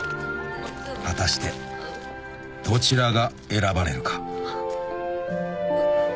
［果たしてどちらが選ばれるか？］